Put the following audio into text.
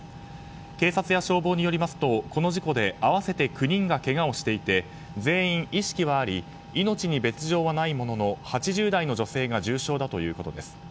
警察や消防によりますとこの事故で合わせて９人がけがをしていて全員、意識はあり命に別条はないものの８０代の女性が重傷だということです。